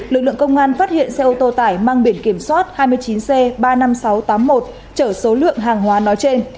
lực lượng công an phát hiện xe ô tô tải mang biển kiểm soát hai mươi chín c ba mươi năm nghìn sáu trăm tám mươi một chở số lượng hàng hóa nói trên